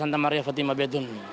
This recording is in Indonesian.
nama saya fatimah betun